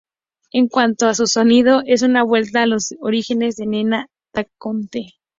En cuanto a su sonido, es una vuelta a los orígenes de Nena Daconte.